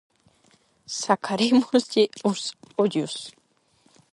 Sacarémoslle os ollos.